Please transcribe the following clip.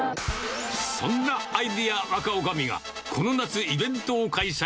そんなアイデア若おかみが、この夏、イベントを開催。